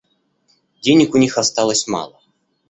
Денег у них осталось мало.